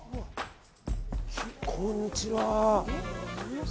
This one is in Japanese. こんにちは。